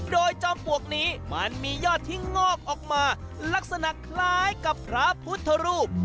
โดยจอมปลวกนี้มันมียอดที่งอกออกมาลักษณะคล้ายกับพระพุทธรูป